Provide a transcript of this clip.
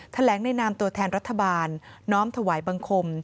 แหลงในนามตัวแทนรัฐบาลน้อมถวายบังคม